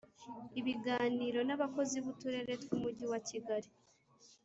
Ibiganiro n abakozi buturere tw Umujyi wa Kigali